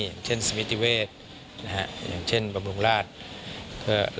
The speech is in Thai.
อย่างเช่นสมิติเวศนะฮะอย่างเช่นบำรุงราช